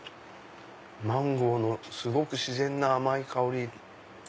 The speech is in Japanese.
マンゴーのすごく自然な甘い香り。